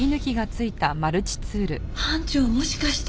班長もしかして。